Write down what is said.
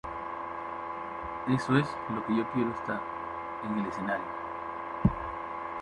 Eso es lo que yo quiero estar en el escenario.